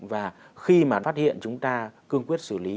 và khi mà phát hiện chúng ta cương quyết xử lý